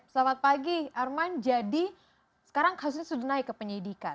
selamat pagi arman jadi sekarang kasus ini sudah naik ke penyidikan